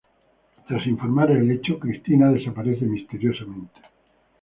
Tras informar el hecho, Cristina desaparece misteriosamente.